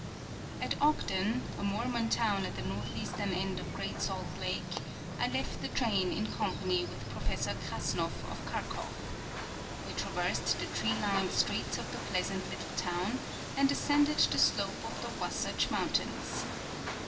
At Ogden, a Mormon toAvn at the northeastern end of Great Salt lake, I left the train in company Avith Professor Krassnoff of Kharkof. We traversed the tree lined streets of the pleasant little toAvn and ascended the slope of the Wasatch mountains.